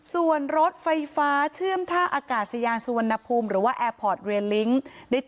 ส่วนรถไฟฟ้าเชื่อมท่าอากาศยานสุวรรณภูมิหรือว่าแอร์พอร์ตเวรลิ้ง